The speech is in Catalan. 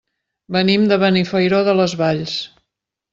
Venim de Benifairó de les Valls.